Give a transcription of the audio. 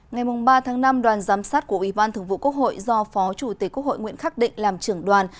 ngày ba tháng năm đoàn giám sát của ủy ban thường vụ quốc hội do phó chủ tịch quốc hội nguyễn khắc định làm trưởng đoàn